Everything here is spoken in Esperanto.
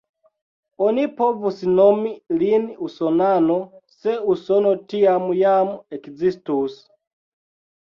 Oni povus nomi lin usonano, se Usono tiam jam ekzistus.